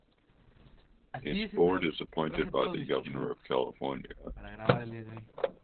Its board is appointed by the Governor of California.